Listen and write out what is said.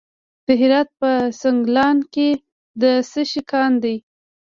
د هرات په سنګلان کې د څه شي کان دی؟